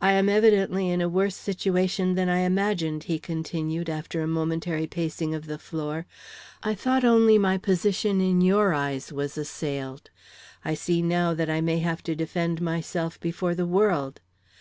"I am evidently in a worse situation than I imagined," he continued, after a momentary pacing of the floor. "I thought only my position in your eyes was assailed; I see now that I may have to defend myself before the world."